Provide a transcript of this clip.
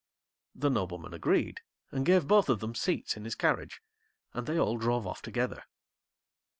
The nobleman agreed, and gave both of them seats in his carriage, and they all drove off together.